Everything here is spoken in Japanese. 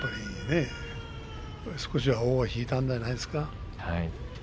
少しは尾を引いたんじゃないですか。